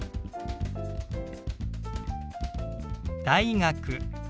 「大学」。